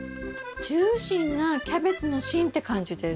ジューシーなキャベツの芯って感じです。